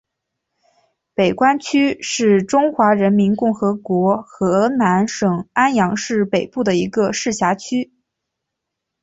北关区是中华人民共和国河南省安阳市北部一个市辖区。